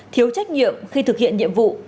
thiếu trách nhiệm khi thực hiện nhiệm vụ